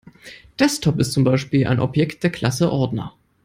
Desktop ist zum Beispiel ein Objekt der Klasse Ordner.